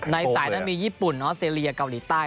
ในสายนั้นมีญี่ปุ่นออสเตรเลียเกาหลีใต้